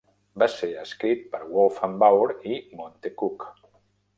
Va ser escrit per Wolfgang Baur i Monte Cook.